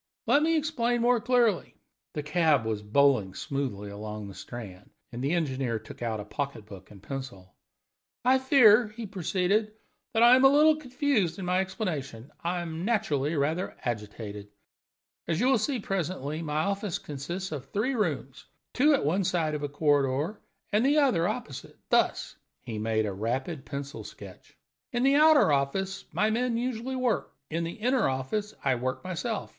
"Let me explain more clearly." The cab was bowling smoothly along the Strand, and the engineer took out a pocket book and pencil. "I fear," he proceeded, "that I am a little confused in my explanation I am naturally rather agitated. As you will see presently, my offices consist of three rooms, two at one side of a corridor, and the other opposite thus." He made a rapid pencil sketch. "In the outer office my men usually work. In the inner office I work myself.